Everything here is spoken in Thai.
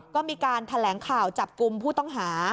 ก็มีการแถลงข่าวจับกลุ่มผู้ต้องหา